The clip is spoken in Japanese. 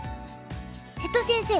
瀬戸先生